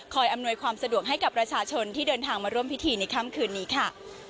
อำนวยความสะดวกให้กับประชาชนที่เดินทางมาร่วมพิธีในค่ำคืนนี้ค่ะ